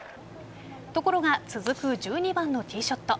ところが続く１２番のティーショット。